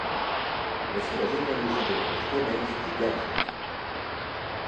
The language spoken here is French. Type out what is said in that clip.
Voici la généalogie des branches lyonnaises des Gadagne.